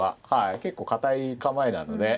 結構堅い構えなので。